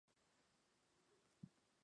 Fueron sus co-consagrantes, Mons.